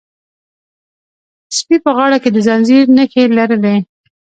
سپي په غاړه کې د زنځیر نښې لرلې.